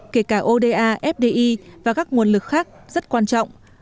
kể cả oda fdi và các nguồn lực khác rất quan trọng